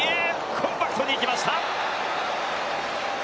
コンパクトに行きました。